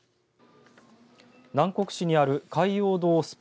南国市にある海洋堂